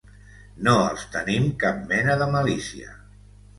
No els tenim cap mena de malícia.